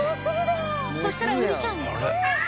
そしたらウリちゃん。